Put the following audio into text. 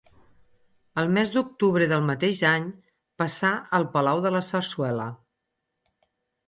El mes d'octubre del mateix any, passà al palau de la Zarzuela.